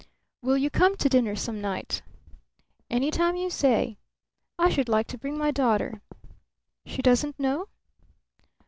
"Will you come to dinner some night?" "Any time you say. I should like to bring my daughter." "She doesn't know?"